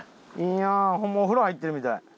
いやホンマお風呂入ってるみたい。